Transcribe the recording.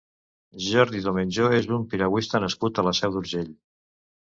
Jordi Domenjó és un piragüista nascut a la Seu d'Urgell.